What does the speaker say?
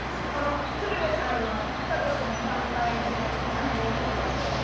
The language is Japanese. この鶴瓶さんの「家族に乾杯」でこの辺に来てまして。